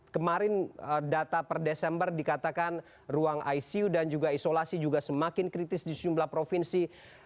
kemarin data per desember dikatakan ruang icu dan juga isolasi juga semakin kritis di sejumlah provinsi